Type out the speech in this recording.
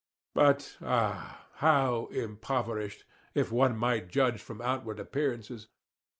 But ah! how impoverished, if one might judge from outward appearances.